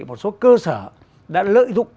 một số cơ sở đã lợi dụng